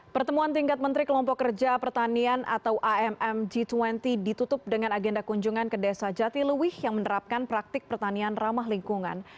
pertemuan tingkat menteri kelompok kerja pertanian atau amm g dua puluh ditutup dengan agenda kunjungan ke desa jatiluwih yang menerapkan praktik pertanian ramah lingkungan